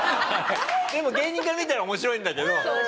でも芸人から見たら面白いんだけど。